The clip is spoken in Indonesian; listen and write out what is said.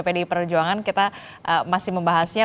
pdi perjuangan kita masih membahasnya